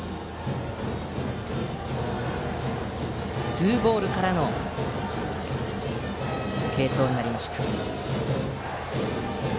ツーボールからの継投になりました。